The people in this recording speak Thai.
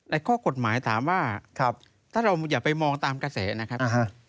ข้อกฎหมายถามว่าถ้าเราอย่าไปมองตามกระแสนะครับ